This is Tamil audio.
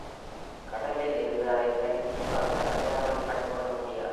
கடலில் இருந்து, அதை தனித் தீவாக அடையாளம் கண்டு கொள்ள முடியாது.